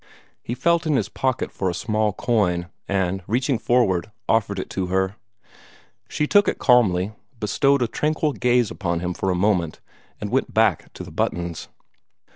He felt in his pocket for a small coin, and, reaching forward, offered it to her. She took it calmly, bestowed a tranquil gaze upon him for a moment, and went back to the buttons.